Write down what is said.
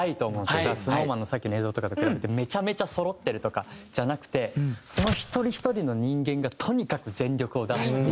だからＳｎｏｗＭａｎのさっきの映像とかと比べてめちゃめちゃそろってるとかじゃなくてその一人ひとりの人間がとにかく全力を出すっていう。